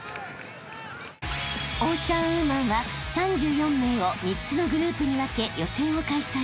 ［オーシャンウーマンは３４名を３つのグループに分け予選を開催］